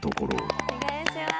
お願いします。